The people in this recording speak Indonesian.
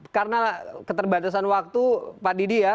karena keterbatasan waktu pak didi ya